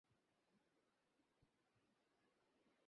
এখানে সর্বজাতীয় লোক সমবেত হইয়াছিলেন।